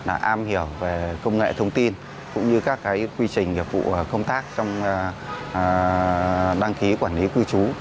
là am hiểu về công nghệ thông tin cũng như các quy trình nghiệp vụ công tác trong đăng ký quản lý cư trú